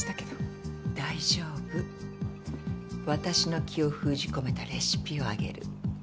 大丈夫私の気を封じ込めたレシピをあげる。